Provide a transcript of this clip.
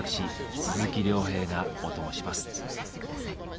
鈴木亮平がオトモします。